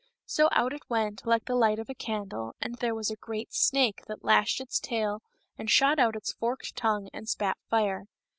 So out it went, like a light of a candle, and there was a great snake that lashed its tail and shot out its forked tongue and spat fire.